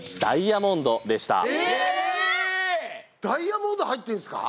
ダイヤモンド入ってんすか！？